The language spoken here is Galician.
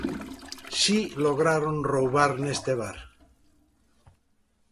Si lograron roubar neste bar.